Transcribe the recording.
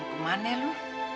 mau kemana lu